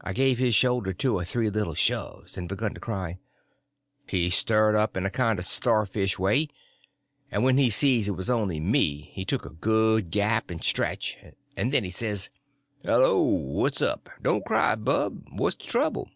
I gave his shoulder two or three little shoves, and begun to cry. He stirred up in a kind of a startlish way; but when he see it was only me he took a good gap and stretch, and then he says: "Hello, what's up? Don't cry, bub. What's the trouble?"